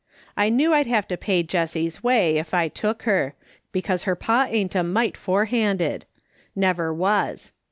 I knew I'd have to pay Jessie's way if I took her, 'cause her pa ain't a mite forehanded — never was.